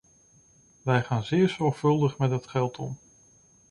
Wij gaan zeer zorgvuldig met het geld om.